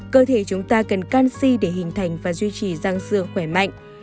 cơ thể chúng ta cần canxi để hình thành và duy trì răng xương khỏe mạnh